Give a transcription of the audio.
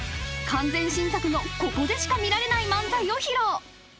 ［完全新作のここでしか見られない漫才を披露］